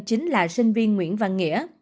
chính là sinh viên nguyễn văn nghĩa